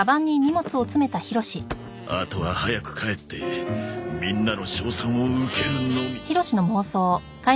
あとは早く帰ってみんなの称賛を受けるのみ。